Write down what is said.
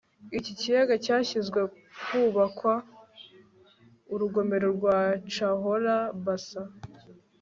iki kiyaga cyashinzwe hubakwa urugomero rwa cahora bassa